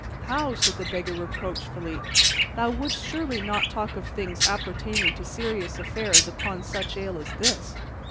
"How!" said the Beggar reproachfully, "thou wouldst surely not talk of things appertaining to serious affairs upon such ale as this!"